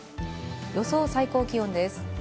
予想最高気温です。